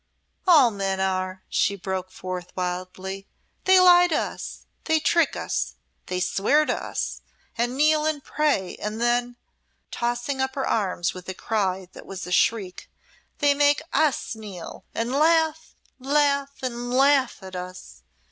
"All men are!" she broke forth, wildly. "They lie to us they trick us they swear to us and kneel and pray and then" tossing up her arms with a cry that was a shriek "they make us kneel and laugh laugh and laugh at us!"